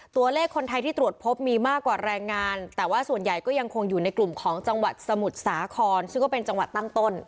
ตัวเลขคนไทยที่ตรวจพบมีมากกว่าแรงงานแต่ว่าส่วนใหญ่ก็ยังคงอยู่ในกลุ่มของจังหวัดสมุทรสาครซึ่งก็เป็นจังหวัดตั้งต้น